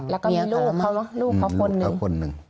รักษ์ก้อนเหลือของเขานึง